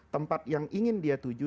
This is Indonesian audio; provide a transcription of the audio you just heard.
tempat yang ingin dia tuju